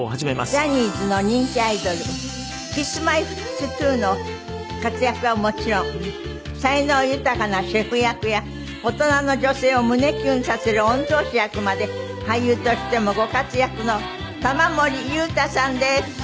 ジャニーズの人気アイドルＫｉｓ−Ｍｙ−Ｆｔ２の活躍はもちろん才能豊かなシェフ役や大人の女性を胸キュンさせる御曹司役まで俳優としてもご活躍の玉森裕太さんです。